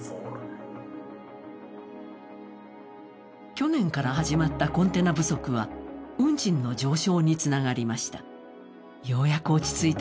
去年から始まったコンテナ不足は運賃の上昇につながりました。